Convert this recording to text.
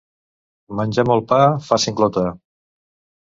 Menjar molt pa fa singlotar.